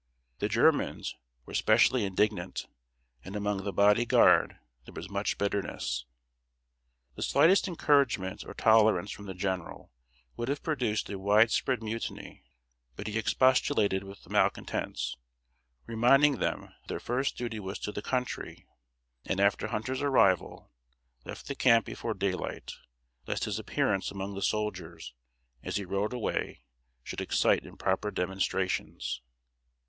The Germans were specially indignant, and among the Body Guard there was much bitterness. The slightest encouragement or tolerance from the General would have produced wide spread mutiny; but he expostulated with the malcontents, reminding them that their first duty was to the country; and, after Hunter's arrival, left the camp before daylight, lest his appearance among the soldiers, as he rode away, should excite improper demonstrations.